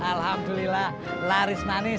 alhamdulillah laris manis